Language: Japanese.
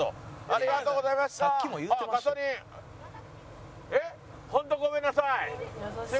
ありがとうございます！